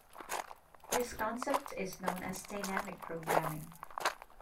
This concept is known as dynamic programming.